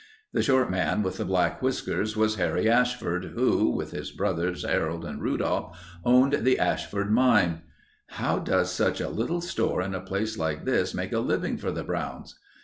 The short man with the black whiskers was Henry Ashford who, with his brothers Harold and Rudolph owned the Ashford mine. "How does such a little store in a place like this make a living for the Browns?"